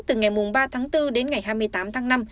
từ ngày ba tháng bốn đến ngày hai mươi tám tháng năm